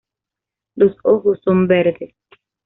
Los ojos son verdes.